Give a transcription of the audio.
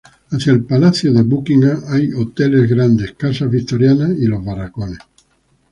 Hacia el palacio de Buckingham hay hoteles, grandes casas victorianas, y los barracones.